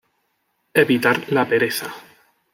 Evitar la pereza.